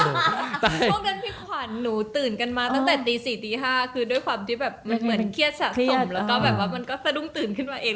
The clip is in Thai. โชคดันพี่ขวัญหนูตื่นกันมาตั้งแต่ตี๔๕ด้วยความที่แบบเหมือนเครียดสะจมแล้วก็แบบมันก็จะระดุมตื่นขึ้นมาเอง